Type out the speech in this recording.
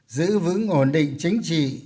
giữ vững ổn định chính trị